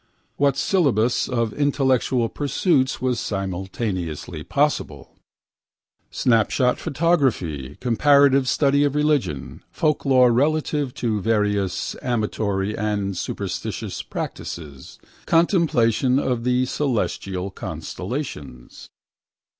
What syllabus of intellectual pursuits was simultaneously possible? Snapshot photography, comparative study of religions, folklore relative to various amatory and superstitious practices, contemplation of the celestial constellations.